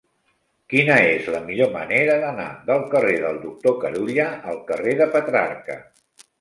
Quina és la millor manera d'anar del carrer del Doctor Carulla al carrer de Petrarca?